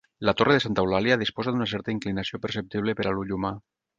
La torre de Santa Eulàlia disposa d'una certa inclinació perceptible per a l'ull humà.